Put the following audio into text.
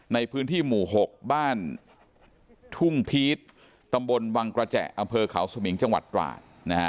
ในพื้นที่หมู่๖บ้านทุ่งพีชตำบลวังกระแจอำเภอเขาสมิงจังหวัดตราด